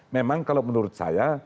memang kalau menurut saya